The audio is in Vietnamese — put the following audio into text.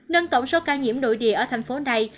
nâng tổng số ca nhiễm nội địa ở thành phố này